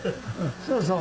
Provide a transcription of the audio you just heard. そうそう。